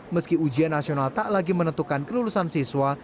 meski ujian nasional tak lagi menentukan kelulusan siswa